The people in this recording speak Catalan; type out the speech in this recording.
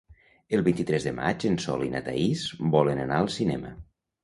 El vint-i-tres de maig en Sol i na Thaís volen anar al cinema.